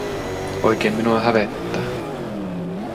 Oikein minua hävettää.